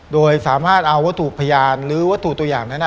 โดยสามารถเอาวัตถุพยานหรือวัตถุตัวอย่างนั้น